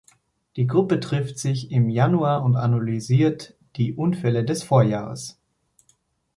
Die Gruppe trifft sich im Januar und analysiert die Unfälle des Vorjahres.